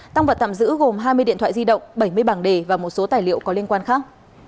tăng vật tạm giữ gồm hai mươi điện thoại di động bảy mươi bảng đề và một số tài liệu có liên quan khác